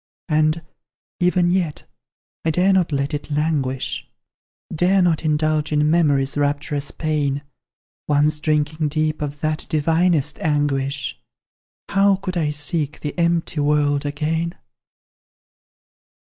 And, even yet, I dare not let it languish, Dare not indulge in memory's rapturous pain; Once drinking deep of that divinest anguish, How could I seek the empty world again?